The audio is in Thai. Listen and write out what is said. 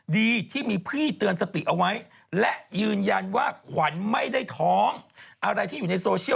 ดีที่มีพรี่เตือนสติเอาไว้